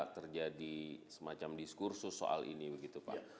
terjadi semacam diskursus soal ini begitu pak